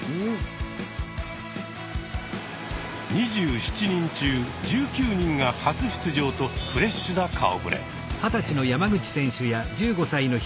２７人中１９人が初出場とフレッシュな顔ぶれ。